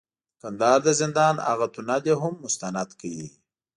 د کندهار د زندان هغه تونل یې هم مستند کړ،